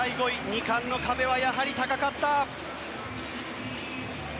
２冠の壁はやはり高かった。